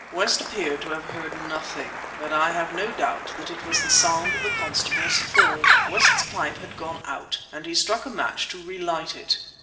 West appeared to have heard nothing; but I have no doubt that it was the sound of the constable's fall. West's pipe had gone out, and he struck a match to relight it.